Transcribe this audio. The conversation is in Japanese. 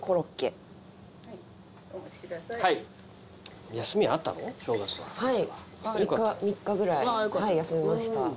はい３日ぐらい休めました。